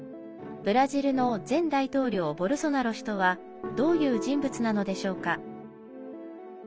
ブラジルの前大統領ボルソナロ氏とはどういう人物なのでしょうか。